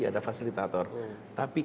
ada fasilitator tapi